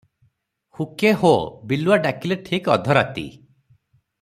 ହୁକେ-ହୋ, ବିଲୁଆ ଡାକିଲେ ଠିକ୍ ଅଧରାତି ।